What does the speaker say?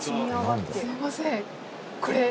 すいません。